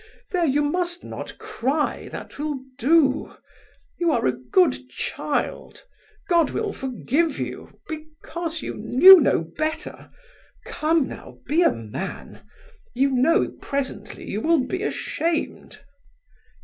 There, you must not cry, that will do. You are a good child! God will forgive you, because you knew no better. Come now, be a man! You know presently you will be ashamed."